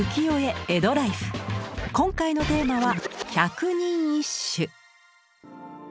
今回のテーマは「百人一首」。